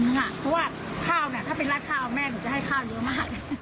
เพราะว่าข้าวเนี่ยถ้าเป็นราดข้าวแม่หนูจะให้ข้าวเยอะมาก